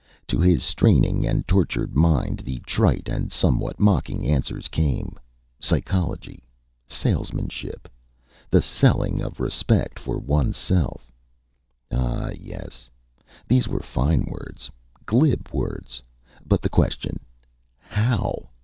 To his straining and tortured mind the trite and somewhat mocking answers came: Psychology. Salesmanship. The selling of respect for one's self. Ah, yes. These were fine words. Glib words. But the question, "How?"